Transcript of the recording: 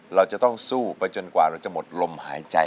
เราจะต้องสู้ไปจนกว่าเราจะหมดลมหายใจ